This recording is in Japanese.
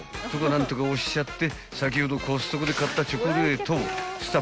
何とかおっしゃって先ほどコストコで買ったチョコレートを］